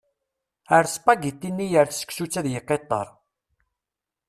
Err spagiti-nni ar tseksut ad yeqqiṭṭer.